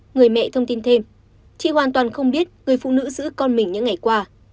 người mẹ thông tin thêm chị hoàn toàn không biết người phụ nữ giữ con mình những ngày qua